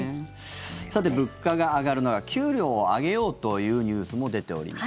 さて、物価が上がる中給料を上げようというニュースも出ております。